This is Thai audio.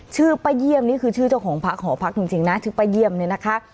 ชื่อป้าเยี่ยมนี่คือชื่อเจ้าของพักหอพักจริงนะชื่อป้าเยี่ยมเนี่ยนะคะ